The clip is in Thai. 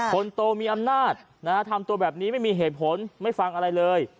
คนโตมีอำนาจทำตัวแบบนี้ไม่มีเหตุผลไม่ฟังอะไรเลย